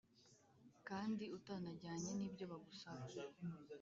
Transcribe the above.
kandi utanajyanye nibyo bagusaba,